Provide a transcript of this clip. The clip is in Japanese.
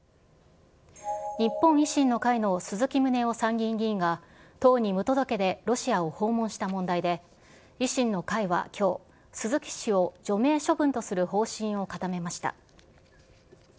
日本維新の会の鈴木宗男参議院議員が、党に無届けでロシアを訪問した問題で、維新の会はきょう、鈴木氏を除名処分とする方針を固めました。